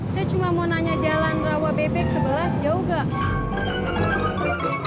saya cuma mau nanya jalan rawa bebek sebelas jauh gak